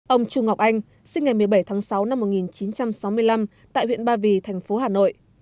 ông chu ngọc anh sinh ngày một mươi bảy tháng sáu năm một nghìn chín trăm sáu mươi năm tại huyện ba vì thành phố hà nội